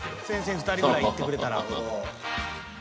［先生２人ぐらいいってくれたら］